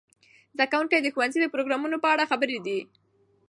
زده کوونکي د ښوونځي د پروګرامونو په اړه خبر دي.